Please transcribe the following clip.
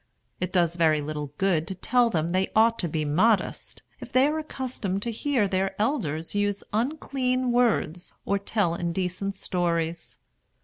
It does very little good to tell them they ought to be modest, if they are accustomed to hear their elders use unclean words or tell indecent stories.